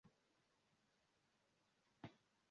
Poste li vivis en Francio kaj Italio.